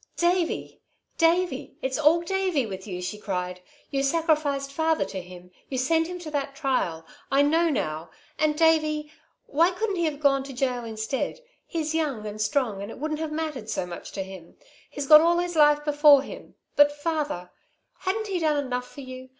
"Davey! Davey! It's all Davey with you!" she cried. "You sacrificed father to him. You sent him to that trial. I know now. And Davey why couldn't he have gone to gaol instead? He's young and strong and it wouldn't have mattered so much to him. He's got all his life before him. But father hadn't he done enough for you?